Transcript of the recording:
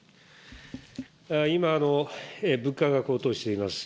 今、物価が高騰しています。